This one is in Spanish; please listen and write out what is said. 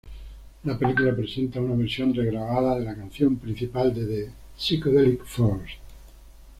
La película presenta una versión regrabada de la canción principal de The Psychedelic Furs.